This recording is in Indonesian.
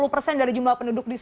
sepuluh persen dari jumlah penduduk